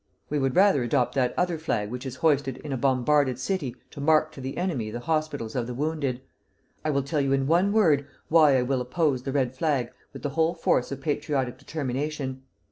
We would rather adopt that other flag which is hoisted in a bombarded city to mark to the enemy the hospitals of the wounded. I will tell you in one word why I will oppose the red flag with the whole force of patriotic determination.